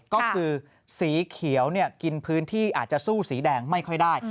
ก็คือสีเขียวกินพื้นที่อาจจะสู้สีแดงไม่ค่อยได้